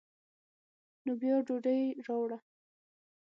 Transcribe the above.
نو بیا ډوډۍ راوړه.